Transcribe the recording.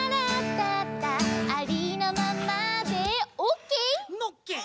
「ありのままでおっけー！」